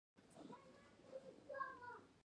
احمدشاه بابا په ځینو کارونو لاس پورې کړ چې ډېر ګټور وو.